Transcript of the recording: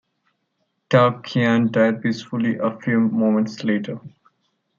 Tao Qian died peacefully a few moments later.